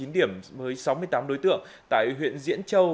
năm mươi chín điểm với sáu mươi tám đối tượng tại huyện diễn châu